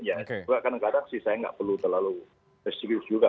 juga kadang kadang sih saya nggak perlu terlalu serius juga